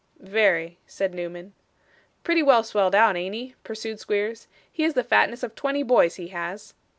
'Very,' said Newman. 'Pretty well swelled out, an't he?' pursued Squeers. 'He has the fatness of twenty boys, he has.